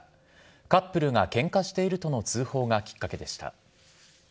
カップルがけんかしているとの通報がきっかけでした。